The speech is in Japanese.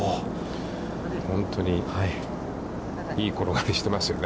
本当に、いい転がりをしてますよね。